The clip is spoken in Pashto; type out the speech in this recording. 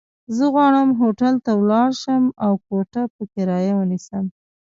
زه غواړم هوټل ته ولاړ شم، او کوټه په کرايه ونيسم.